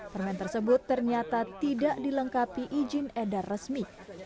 permen tersebut ternyata tidak dilengkapi izin edar resmi